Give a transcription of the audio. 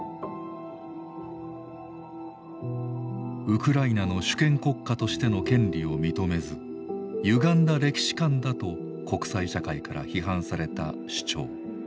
ウクライナの主権国家としての権利を認めずゆがんだ歴史観だと国際社会から批判された主張。